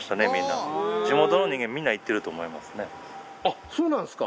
あっそうなんですか？